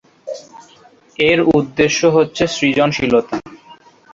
এর উদ্দেশ্য হচ্ছে সৃজনশীলতা।